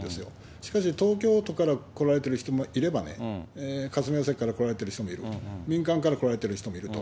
しかし東京都から来られている人もいればね、霞が関から来られている人もいる、民間から来られている人もいると。